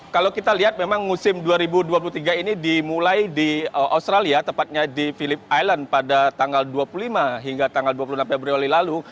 kalau kita lihat memang musim dua ribu dua puluh tiga ini dimulai di australia tepatnya di philip island pada tanggal dua puluh lima hingga tanggal dua puluh enam februari lalu